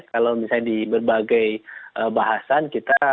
kalau misalnya di berbagai bahasan kita